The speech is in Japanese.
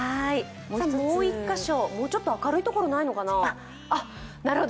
もう１カ所、もう少し明るいとこないのかな。